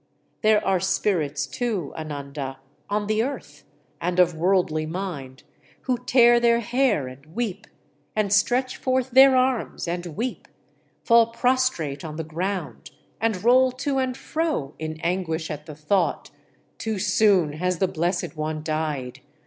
"There are spirits, too, Ananda, on the earth, and of worldly mind, who tear their hair and weep, and stretch forth their arms and weep, fall prostrate on the ground, and roll to and fro in anguish at the thought: 'Too soon has the Blessed One died!